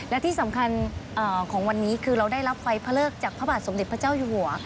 และที่สำคัญของวันนี้คือเราได้รับไฟพระเลิกจากพระบาทสมเด็จพระเจ้าอยู่หัว